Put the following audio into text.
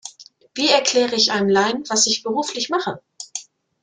Wie erkläre ich einem Laien, was ich beruflich mache?